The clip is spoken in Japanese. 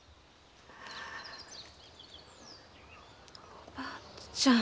おばあちゃん。